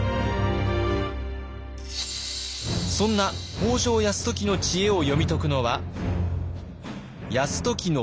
そんな北条泰時の知恵を読み解くのは泰時の祖父